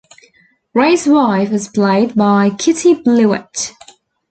Ray's wife was played by Kitty Bluett.